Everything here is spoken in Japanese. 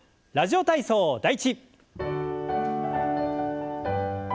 「ラジオ体操第１」。